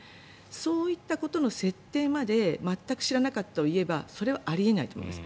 そういったことの設定まで全く知らなかったをいえばそれはあり得ないと思います。